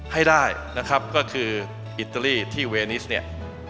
ให้ได้นะครับก็คืออิตาลีที่เวนิสเนี่ย